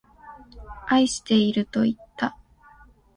愛してるといった。